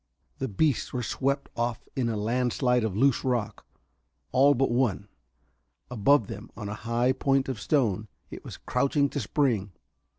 The beasts were swept off in a landslide of loose rock all but one. Above them, on a high point of stone, it was crouching to spring.